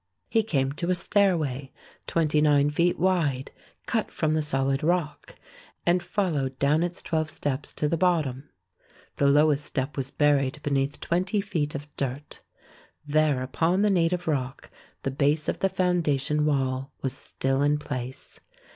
He came to a stairway twenty nine feet wide, cut from the solid rock, and followed down its twelve steps to the bottom; the lowest step was buried beneath twenty feet of dirt. There upon the native rock the base of the foundation wall was still in place.